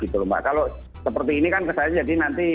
kalau seperti ini kan kesannya jadi nanti